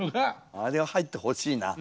あれは入ってほしいな。